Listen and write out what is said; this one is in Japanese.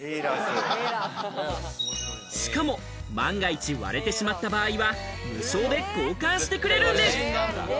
しかも、万が一割れてしまった場合は無償で交換してくれるんです。